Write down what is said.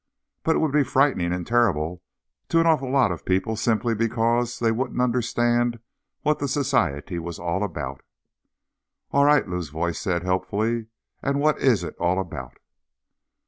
But it would be frightening and terrible to an awful lot of people simply because they wouldn't understand what the Society was all about._ "All right," Lou's voice said helpfully. "And what is it all about?"